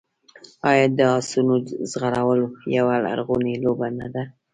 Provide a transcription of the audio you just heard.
آیا د اسونو ځغلول یوه لرغونې لوبه نه ده؟